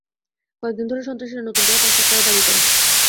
কয়েক দিন ধরে সন্ত্রাসীরা নতুন করে পাঁচ লাখ টাকা দাবি করে।